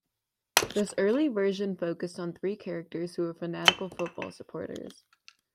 This early version focused on three characters who were fanatical football-supporters.